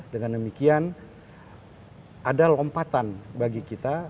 dengan demikian ada lompatan bagi kita